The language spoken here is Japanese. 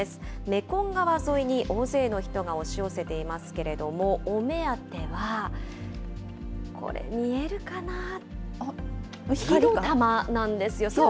メコン川沿いに大勢の人が押し寄せていますけれども、お目当ては、これ見えるかな、火の玉なんですよ。